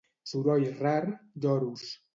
Soroll rar: Lloros.